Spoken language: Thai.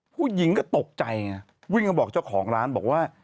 ผู้หญิงก็ตกใจไงวิ่งมาบอกเจ้าของร้านบอกว่า